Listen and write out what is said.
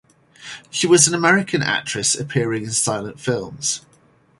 She was an American actress appearing in silent films.